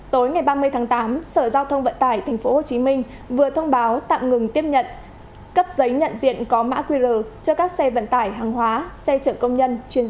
tối ngày ba mươi tháng tám sở giao thông vận tải tp hcm vừa thông báo tạm ngừng tiếp nhận cấp giấy nhận diện có mã qr cho các xe vận tải hàng hóa xe chở công nhân chuyên gia